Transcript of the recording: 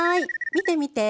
見て見て！